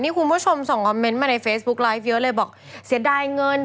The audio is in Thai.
คุณผู้ชมส่งคอมเมนต์มาในเฟซบุ๊คไลฟ์เยอะเลยบอกเสียดายเงิน